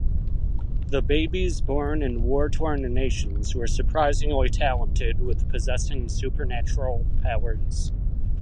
The babies born in war torn nations were surprisingly talented with possessing supernatural powers.